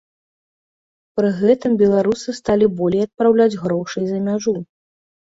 Пры гэтым беларусы сталі болей адпраўляць грошай за мяжу.